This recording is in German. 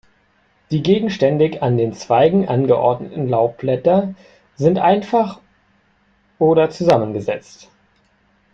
Die gegenständig an den Zweigen angeordneten Laubblätter sind einfach oder zusammengesetzt.